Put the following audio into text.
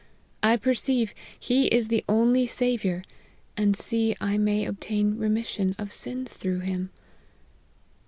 I per ceive he is the only Saviour, and I see I may ob tain remission of sins through him.'